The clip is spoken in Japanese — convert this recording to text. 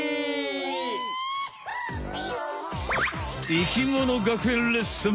生きもの学園レッスン。